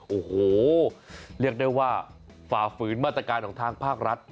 โอ้โหเรียกได้ว่าฝ่าฝืนมาตรการของทางภาครัฐ